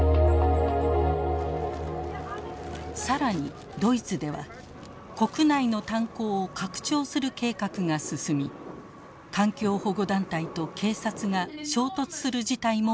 更にドイツでは国内の炭鉱を拡張する計画が進み環境保護団体と警察が衝突する事態も起きています。